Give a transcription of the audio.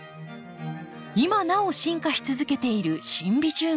今なお進化し続けているシンビジウム。